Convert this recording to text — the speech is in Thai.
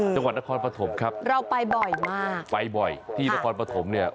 จังหวัดนครปฐมครับเราไปบ่อยมากไปบ่อยที่นครปฐมเนี่ย